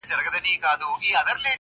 د سیالانو په ټولۍ کي یې تول سپک سي٫